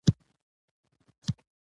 ژای ورنه کړي.